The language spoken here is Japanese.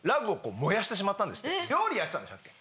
料理やってたんでしたっけ？